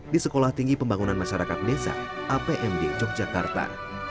di sekolah tinggi pembangunan masyarakat desa apmd yogyakarta